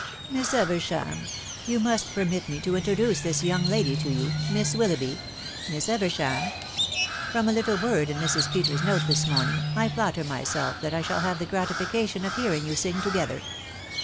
" Miss Eversham, you must permit me to introduce this young lady to you — Miss Willoughby .... Miss Eversham .... From a little word in Mrs. Peters's note this morning, I flatter myself that I shall have the gratification of hearing you sing together.